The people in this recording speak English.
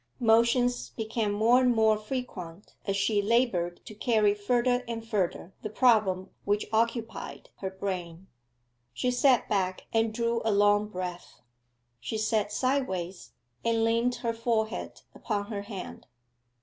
Motions became more and more frequent as she laboured to carry further and further the problem which occupied her brain. She sat back and drew a long breath: she sat sideways and leant her forehead upon her hand.